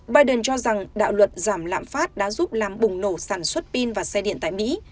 biden cho rằng đạo luật giảm lãm phát đã giúp làm bùng nổ sản xuất pin và xe điện tại mỹ